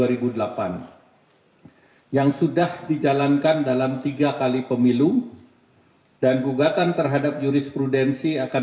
kami minta kompetensi ubh merupakan di studio harian penentu maupun ketanganan dan diperhatikan nel fordi permintaan